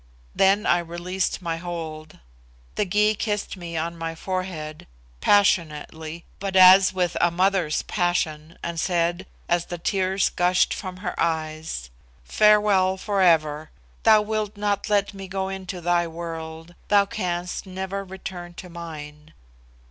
Then I released my hold. The Gy kissed me on my forehead, passionately, but as with a mother's passion, and said, as the tears gushed from her eyes, "Farewell for ever. Thou wilt not let me go into thy world thou canst never return to mine.